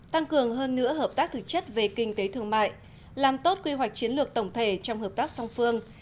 tăng cường hơn nữa hợp tác thực chất về kinh tế thương mại làm tốt quy hoạch chiến lược tổng thể trong hợp tác song phương